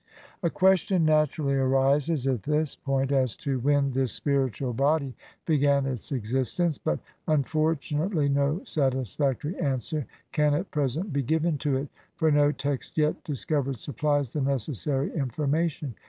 A question naturally arises at this point, as to when this spiritual body began its existence ; but unfortunately no satisfactory answer can at present be given to it, for no text yet discovered supplies the necessary information.